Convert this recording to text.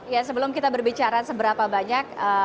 ya sebelum kita berbicara seberapa banyak